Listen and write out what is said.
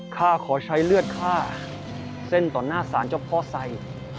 ข้าขอใช้เลือดข้าเส้นต่อหน้าศาลเจ้าพ่อไซ